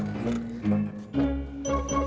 sampai jumpa lagi